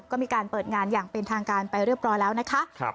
ก็มีการเปิดงานอย่างเป็นทางการไปเรียบร้อยแล้วนะคะ